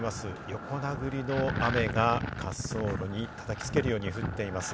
横殴りの雨が滑走路にたたきつけるように降っています。